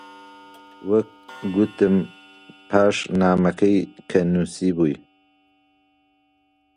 وەک گوتم، پاش نامەکەی کە نووسیبووی: